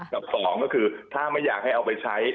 กับสองก็คือถ้าไม่อยากให้เอาไปใช้